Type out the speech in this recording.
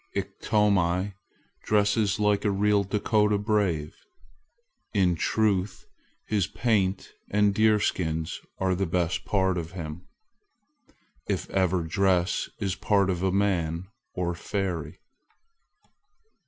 Iktomi dresses like a real Dakota brave. In truth, his paint and deerskins are the best part of him if ever dress is part of man or fairy.